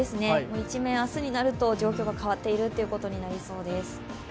一面、明日になると状況が変わっているということになりそうです。